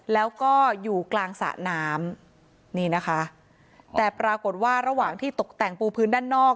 แล้วก็อยู่กลางสระน้ำนี่นะคะแต่ปรากฏว่าระหว่างที่ตกแต่งปูพื้นด้านนอก